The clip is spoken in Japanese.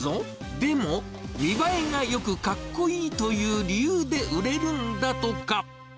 でも、見栄えがよく、かっこいいという理由で売れるんだとか。